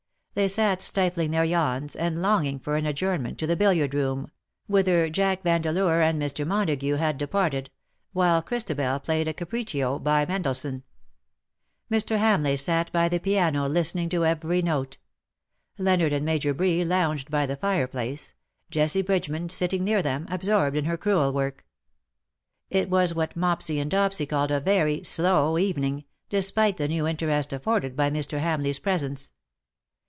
They sat stifling their yawns, and longing for an adjournment to the billard room — whither Jack Vandcleur 218 '^ BUT IT SUFFICETH, and Mr. Montagu had departed — while Christabel played a capriccio by Mendelssohn. Mr. Ham leigli sat by the piano listening to every note. Leonard and Major Bree lounged by the fireplace, Jessie Bridgeman sitting near them, absorbed in her crewel work. It w^as what Mopsy and Dopsy called a very " slow^'' evening, despite the new interest afforded by Mr. Hamleigh's presence.